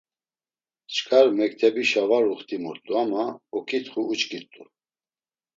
Çkar mektebişa va uxtimurt̆u ama ok̆itxu uçkirt̆u.